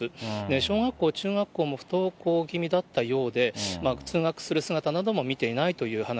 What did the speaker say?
小学校、中学校も不登校気味だったようで、通学する姿なども見ていないという話。